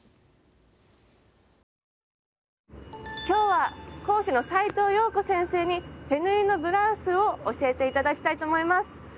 今日は講師の斉藤謠子先生に手縫いのブラウスを教えて頂きたいと思います。